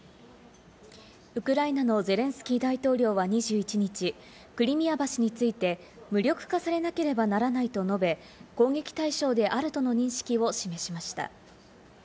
ウクライナのゼレンスキー大統領は２１日、クリミア橋について無力化されなければならないと述べ、攻撃対象であるとの認識を示しました。